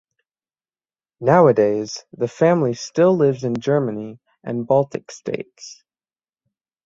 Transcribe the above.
Nowadays the family still lives in Germany and Baltic States.